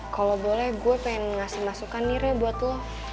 kalau boleh gue pengen ngasih masukan nih re buat lo